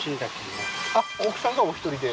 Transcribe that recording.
あっ奥さんがお一人で？